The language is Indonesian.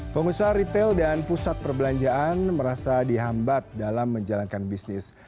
pengusaha retail dan pusat perbelanjaan merasa dihambat dalam menjalankan bisnis